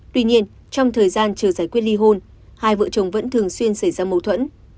tuy nhiên trong thời gian chờ giải quyết ly hôn hai vợ chồng vẫn thường xuyên xảy ra mâu thuẫn